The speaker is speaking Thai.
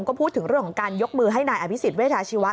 ก็พูดถึงเรื่องของการยกมือให้นายอภิษฎเวชาชีวะ